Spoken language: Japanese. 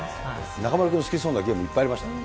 中丸君、好きそうなゲーム、いっぱいありましたね。